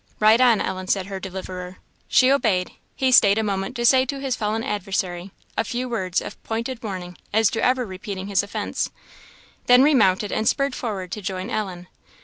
"Ride on, Ellen!" said her deliverer. She obeyed. He stayed a moment to say to his fallen adversary a few words of pointed warning as to ever repeating his offence; then remounted and spurred forward to join Ellen.